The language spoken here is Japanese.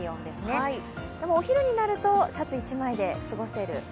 でも、お昼になるとシャツ１枚で過ごせる。